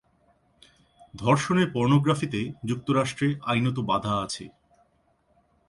ধর্ষণের পর্নোগ্রাফিতে যুক্তরাষ্ট্রে আইনত বাধা আছে।